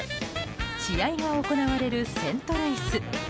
試合が行われるセントルイス。